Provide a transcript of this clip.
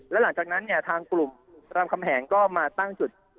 แล้วหลังจากนั้นเนี่ยทางกลุ่มรามคำแหงก็มาตั้งจุด